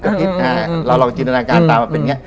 เราลองจินตนาการตามแบบนี้